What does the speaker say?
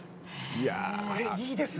これ、いいですね。